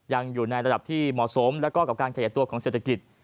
อยู่ในระดับที่เหมาะสมแล้วก็กับการขยายตัวของเศรษฐกิจ